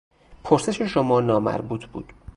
پرسش شما نامربوط بود.